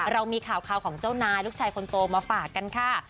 เรามีข่าวของเจ้านายลูกชายคนโตมาฝากกันค่ะ